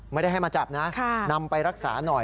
ไม่ได้ให้มาจับนะนำไปรักษาหน่อย